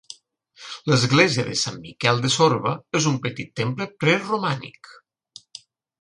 L'església de Sant Miquel de Sorba és un petit temple preromànic.